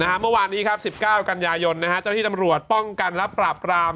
เมื่อวานนี้ครับ๑๙กันยายนเจ้าที่ตำรวจป้องกันและปราบราม